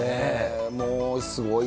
もう、すごい。